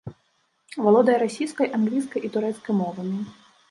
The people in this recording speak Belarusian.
Валодае расійскай, англійскай і турэцкай мовамі.